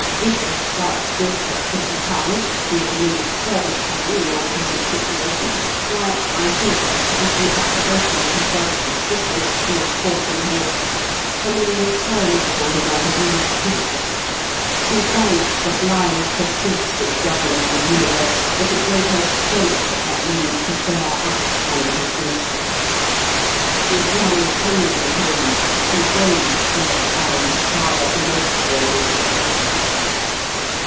. if a slight gift of fifty pounds would be of immediate service to you in your present situation, why, I think, with the approbation of his brothers and sisters, who of course inherit——" Herminia turned upon him like a wounded creature. She thanked the blind caprice which governs the universe that it gave her strength at that moment to bear up under his insult. With one angry hand she waved dead Alan's father inexorably to the door.